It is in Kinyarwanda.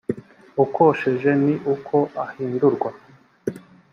ukosheje ni uko ahindurwa